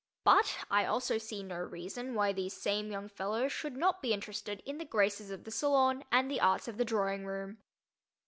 But I also see no reason why these same young fellows should not be interested in the graces of the salon and the arts of the drawing room.